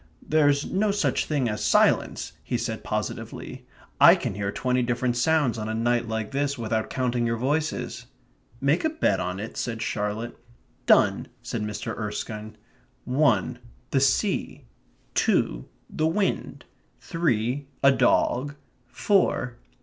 "There's no such thing as silence," he said positively. "I can hear twenty different sounds on a night like this without counting your voices." "Make a bet of it?" said Charlotte. "Done," said Mr. Erskine. "One, the sea; two, the wind; three, a dog; four